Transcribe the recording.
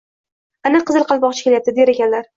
— Ana, Qizil Qalpoqcha kelyapti! — der ekanlar